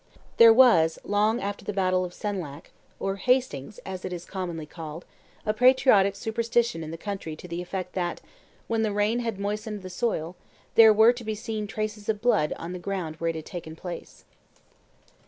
There was, long after the battle of Senlac, or Hastings, as it is commonly called, a patriotic superstition in the country to the effect that, when the rain had moistened the soil, there were to be seen traces of blood on the ground where it had taken place.